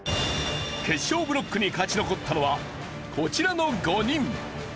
決勝ブロックに勝ち残ったのはこちらの５人。